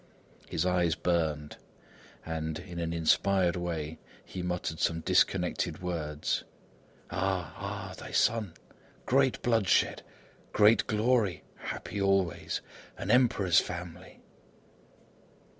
His eyes burned and, in an inspired way, he muttered some disconnected words: "Ah! Ah! thy son! great bloodshed great glory happy always an emperor's family."